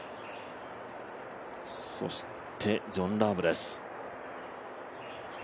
そしてジョン・ラームです。